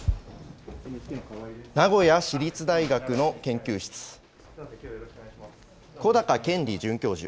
名古屋市立大学の研究室、小鷹研理准教授。